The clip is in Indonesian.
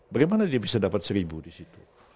bagaimana dia bisa dapat seribu disitu